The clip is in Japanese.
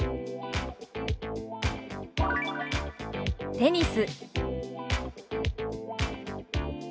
「テニス」。